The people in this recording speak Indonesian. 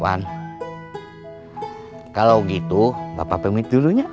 wawan kalau gitu bapak permit dulunya